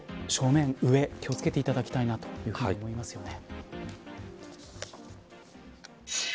正面、上気を付けていただきたいと思いますね。